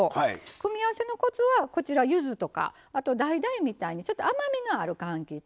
組み合わせのコツはゆずとか、だいだいみたいにちょっと甘みがある、かんきつ。